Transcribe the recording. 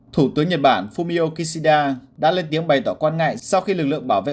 thủ tướng nhật bản fumio kishida đã lên tiếng bày tỏ quan ngại sau khi lực lượng bảo vệ